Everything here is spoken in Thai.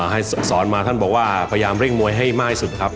ให้สอนมาท่านบอกว่าพยายามเร่งมวยให้มากที่สุดครับ